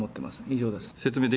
以上です。